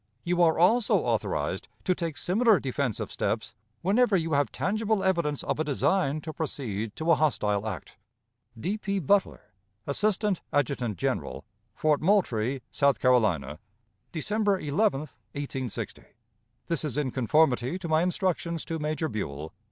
You are also authorized to take similar defensive steps whenever you have tangible evidence of a design to proceed to a hostile act. "D. P. Butler, Assistant Adjutant General. "Fort Moultrie, South Carolina, December 11, 1860. "This is in conformity to my instructions to Major Buel.